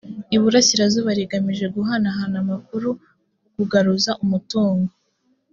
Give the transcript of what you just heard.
iburasirazuba rigamije guhanahana amakuru ku kugaruza umutungo